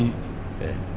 ええ。